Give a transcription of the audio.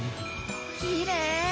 きれい！